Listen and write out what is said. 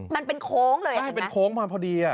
มันเป็นโค้งเลยไม่ใช่เป็นโค้งมาพอดีอ่ะ